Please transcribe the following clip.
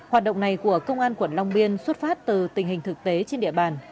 hoạt động này của công an quận long biên xuất phát từ tình hình thực tế trên địa bàn